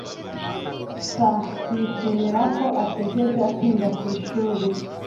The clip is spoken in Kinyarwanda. [S] Yishimira ko atigeze atinda ku ishuri.